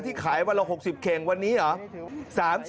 ขายวันละ๖๐เข่งวันนี้เหรอ